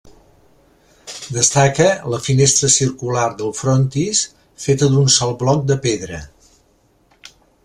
Destaca la finestra circular del frontis feta d'un sol bloc de pedra.